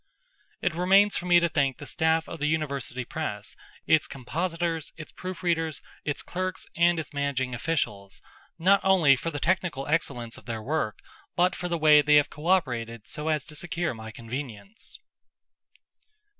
It remains for me to thank the staff of the University Press, its compositors, its proof readers, its clerks, and its managing officials, not only for the technical excellence of their work, but for the way they have co operated so as to secure my convenience.